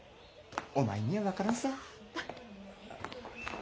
お前には分からんさ。